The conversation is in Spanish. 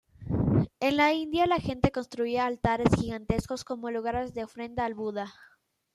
En la India, la gente construía altares gigantescos como lugares de ofrenda al buda.